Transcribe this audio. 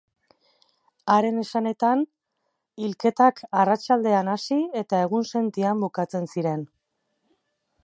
Haren esanetan, hilketak arratsaldean hasi eta egunsentian bukatzen ziren.